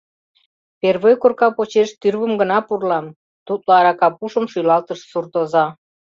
— Первой корка почеш тӱрвым гына пурлам! — тутло арака пушым шӱлалтыш суртоза.